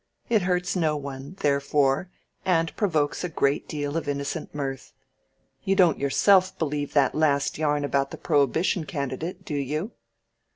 It hurts no one, therefore, and provokes a great deal of innocent mirth. You don't yourself believe that last yarn about the Prohibition candidate, do you?"